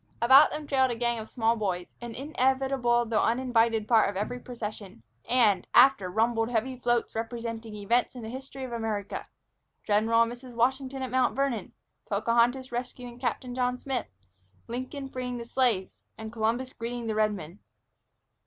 About them trailed a gang of small boys, an inevitable though uninvited part of every procession, and, after, rumbled heavy floats representing events in the history of America, General and Mrs. Washington at Mount Vernon, Pocahontas rescuing Captain John Smith, Lincoln freeing the Slaves, and Columbus greeting the Redmen.